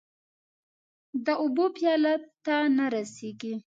د اوبو پیالو ته نه رسيږې